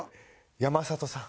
山里さん。